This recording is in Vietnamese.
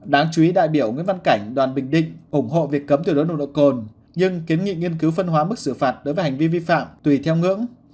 đáng chú ý đại biểu nguyễn văn cảnh đoàn bình định ủng hộ việc cấm thử đối độ cồn nhưng kiến nghị nghiên cứu phân hóa mức xử phạt đối với hành vi vi phạm tùy theo ngưỡng